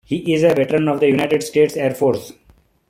He is a veteran of the United States Air Force.